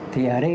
thì ở đây